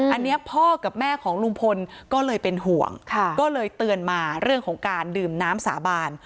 อันนี้พ่อกับแม่ของลุงพลก็เลยเป็นห่วงก็เลยเตือนมาเรื่องของการดื่มน้ำสาบาน